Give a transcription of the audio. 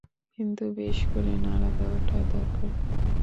কিন্তু বেশ করে নাড়া দেওয়াটা দরকার।